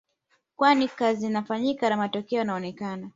Kwani kazi zinafanyika na matokeo yanaonekana